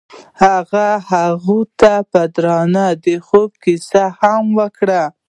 هغه هغې ته په درناوي د خوب کیسه هم وکړه.